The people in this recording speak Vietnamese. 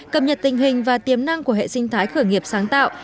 cập nhật tình hình và tiềm năng của hệ sinh thái khởi nghiệp sáng tạo